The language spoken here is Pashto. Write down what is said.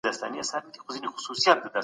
نړیوال عدالت یوه هیله ده.